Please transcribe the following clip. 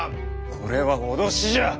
これは脅しじゃ！